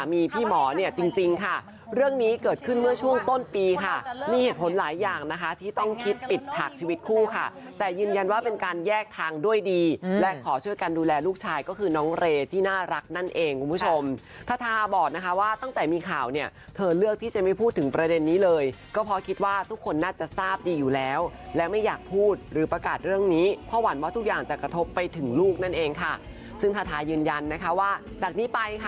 สามีพี่หมอเนี่ยจริงค่ะเรื่องนี้เกิดขึ้นเมื่อช่วงต้นปีค่ะมีเหตุผลหลายอย่างนะคะที่ต้องคิดปิดฉากชีวิตคู่ค่ะแต่ยืนยันว่าเป็นการแยกทางด้วยดีและขอช่วยกันดูแลลูกชายก็คือน้องเรที่น่ารักนั่นเองคุณผู้ชมท่าบอกนะคะว่าตั้งแต่มีข่าวเนี่ยเธอเลือกที่จะไม่พูดถึงประเด็นนี้เลยก็เพราะคิดว่าทุกคนน